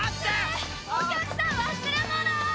お客さん忘れ物！